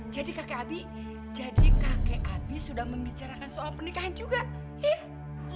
jadi kakek abi jadi kakek abi sudah membicarakan soal pernikahan juga iya